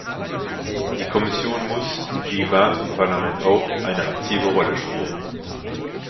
Die Kommission muss – wie Rat und Parlament auch – eine aktive Rolle spielen.